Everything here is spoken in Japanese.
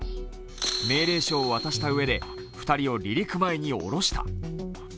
命令書を渡したうえで、２人を離陸前に降ろした。